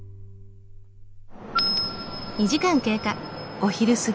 お昼過ぎ。